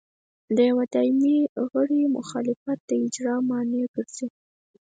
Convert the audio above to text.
د یوه دایمي غړي مخالفت د اجرا مانع ګرځي.